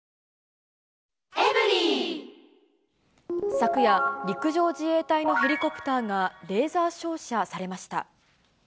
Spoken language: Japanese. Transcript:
昨夜、陸上自衛隊のヘリコプターが、レーザー照射されました。